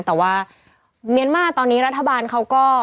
แต่ว่าเมียนมาร์ตอนนี้รัฐบาลเขาก็